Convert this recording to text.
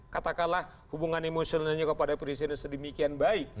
katakanlah hubungan emosionalnya kepada presiden sedemikian baik